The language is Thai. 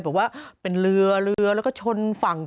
บอกว่าเป็นเรือเรือแล้วก็ชนฝั่ง